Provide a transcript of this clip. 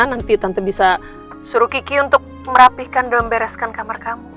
nanti tante bisa suruh kiki untuk merapihkan dan membereskan kamar kamu